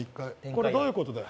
これどういうことだよ？